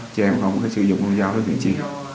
cha em có một cái sử dụng con dao đó chính trị